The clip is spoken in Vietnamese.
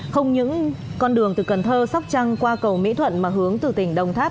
không những con đường từ cần thơ sóc trăng qua cầu mỹ thuận mà hướng từ tỉnh đồng tháp